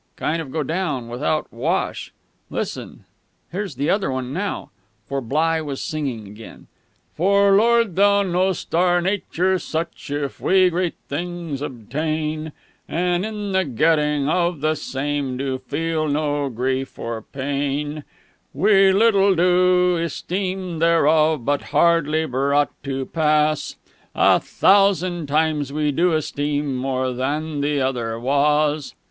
"Kind of go down ... without wash...." "Listen here's the other one now " For Bligh was singing again: "For, Lord, Thou know'st our nature such If we great things obtain, And in the getting of the same Do feel no grief or pain, "We little do esteem thereof; But, hardly brought to pass, A thousand times we do esteem More than the other was."